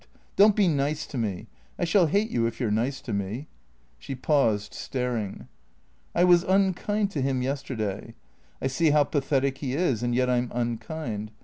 Don't be nice to me. I shall hate you if you 're nice to me." She paused, staring. " I was unkind to him yes terday. I see how pathetic he is, and yet I 'm unkind.